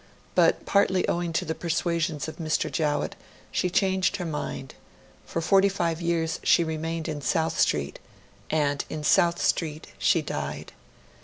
But partly owing to the persuasions of Mr. Jowett, she changed her mind; for forty five years she remained in South Street; and in South Street she died.